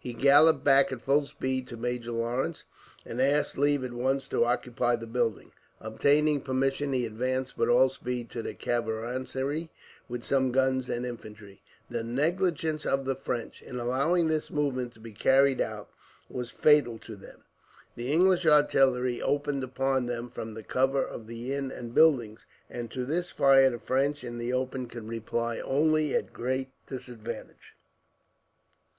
He galloped back at full speed to Major Lawrence, and asked leave at once to occupy the building. Obtaining permission, he advanced with all speed to the caravansary, with some guns and infantry. The negligence of the French, in allowing this movement to be carried out, was fatal to them. The English artillery opened upon them from the cover of the inn and buildings, and to this fire the French in the open could reply only at a great disadvantage.